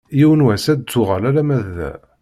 Yiwen n wass ad d-tuɣal alamma d da.